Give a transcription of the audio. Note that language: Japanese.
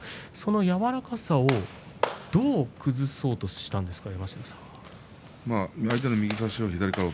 やわらかさをどう崩そうとしたんですか？